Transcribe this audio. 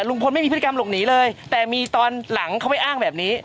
ลุงพลไม่มีพฤติกรรมหลบหนีเลยแต่มีตอนหลังเขาไม่อ้างแบบนี้